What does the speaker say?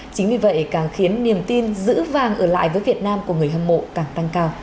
chính vì vậy càng khiến niềm tin giữ vàng ở lại với việt nam của người hâm mộ càng tăng cao